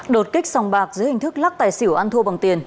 đột kích sòng bạc dưới hình thức lắc tài xỉu ăn thua bằng tiền